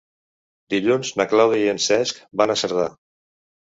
Dilluns na Clàudia i en Cesc van a Cerdà.